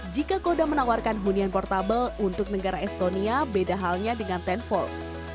jika koda menawarkan hunian portable untuk negara estonia beda halnya dengan sepuluh